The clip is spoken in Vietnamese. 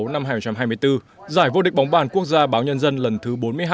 năm hai nghìn hai mươi bốn giải vô địch bóng bàn quốc gia báo nhân dân lần thứ bốn mươi hai